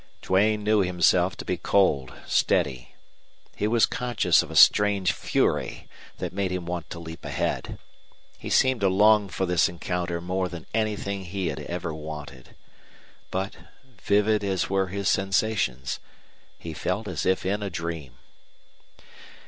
Duane knew himself to be cold, steady. He was conscious of a strange fury that made him want to leap ahead. He seemed to long for this encounter more than anything he had ever wanted. But, vivid as were his sensations, he felt as if in a dream.